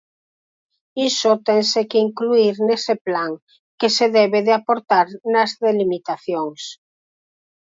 Iso tense que incluír nese plan, que se debe de aportar nas delimitacións.